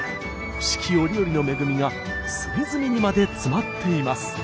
四季折々の恵みが隅々にまで詰まっています。